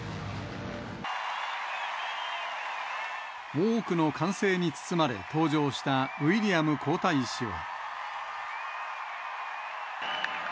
多くの歓声に包まれ、登場したウィリアム皇太子は。